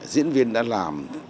diễn viên đã làm